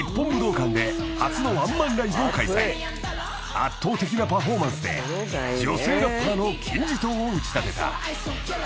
［圧倒的なパフォーマンスで女性ラッパーの金字塔を打ち立てた］